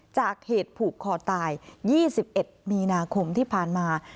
จากเหตุผูกคอตาย๒๑มีนาคมที่ผ่านมา